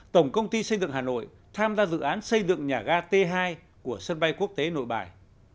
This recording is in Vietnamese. tổng công ty xây dựng hà nội tham gia dự án xây dựng nhà ga t hai của sân bay quốc tế nội bài